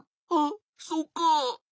あっそうか。